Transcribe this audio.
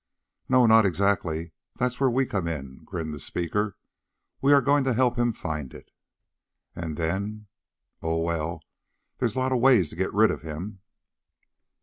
"No, not exactly. That's where we come in," grinned the speaker. "We are going to help him find it." "And then?" "Oh, well. There's lots of ways to get rid of him."